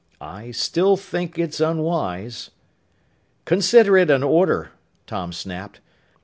"I still think it's unwise." "Consider it an order!" Tom snapped.